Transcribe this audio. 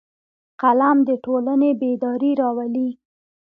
قلم د ټولنې بیداري راولي